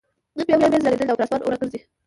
نن بيا اوريځ راګرځېدلې ده او پر اسمان اوره ګرځي